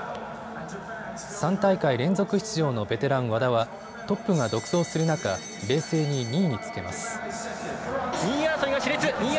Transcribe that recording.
３大会連続出場のベテラン和田はトップが独走する中、冷静に２位につけます。